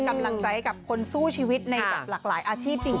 มันก็สบายหลายเดิม